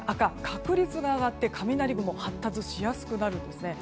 確率が上がって雷雲発達しやすくなるんですね。